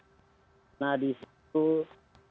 nah disitu tempat sudah dilakukan pembakaran terhadap masyarakat